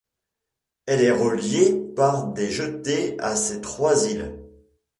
Elle est reliée par des jetées à ces trois îles.